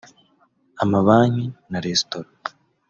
amabanki na resitora